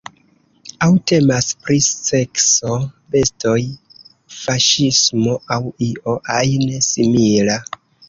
Aŭ temas pri sekso, bestoj, faŝismo aŭ io ajn simila.